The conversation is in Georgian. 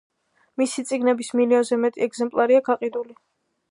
მისი წიგნების მილიონზე მეტი ეგზემპლარია გაყიდული.